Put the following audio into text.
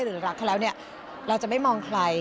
หรือรักเขาแล้วเนี่ยเราจะไม่มองใคร